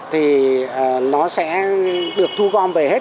thì nó sẽ được thu gom về hết